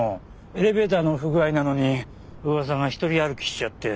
エレベーターの不具合なのに噂が一人歩きしちゃって。